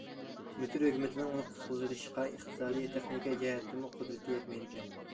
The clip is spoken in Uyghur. مىسىر ھۆكۈمىتىنىڭ ئۇنى قۇتقۇزۇۋېلىشقا ئىقتىسادىي، تېخنىكا جەھەتتىمۇ قۇدرىتى يەتمەيدىكەن.